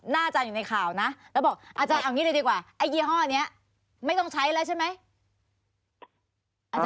หน้าอาจารย์อยู่ในข่าวนะแล้วบอกอาจารย์เอาอย่างนี้ดีกว่า